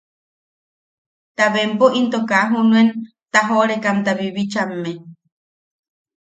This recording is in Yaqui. Ta bempo into kaa junuen tajoʼorekamta bibichamme.